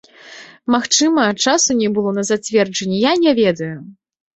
Магчыма, часу не было на зацверджанне, я не ведаю!